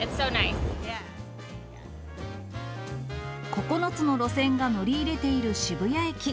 ９つの路線が乗り入れている渋谷駅。